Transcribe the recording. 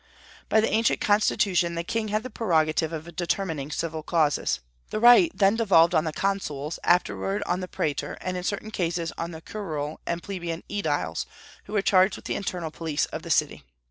By the ancient constitution, the king had the prerogative of determining civil causes. The right then devolved on the consuls, afterward on the praetor, and in certain cases on the curule and plebeian ediles, who were charged with the internal police of the city.